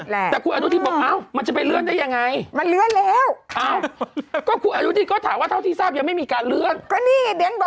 แต่ครูแอดูธิบอกมันจะไปเลื่อนได้อย่างไรมันเลื่อนแล้ว